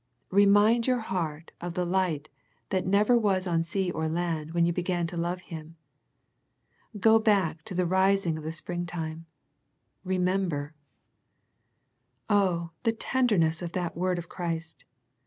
Remind your heart of the light that never was on sea or land when you began to love Him. Go back to the rising life of the Spring time. " Remember." Oh, the tender ness of that word of Christ.